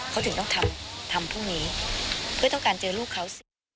เขาถึงต้องทำพรุ่งนี้เพื่อต้องการเจอลูกเขาสิ